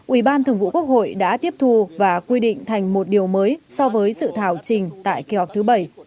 ubthqh đã tiếp thu và quy định thành một điều mới so với sự thảo trình tại kế hoạch thứ bảy